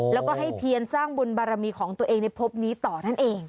แล้วก็ให้เพียนสร้างบุญบารมีของตัวเองในพบนี้ต่อนั่นเอง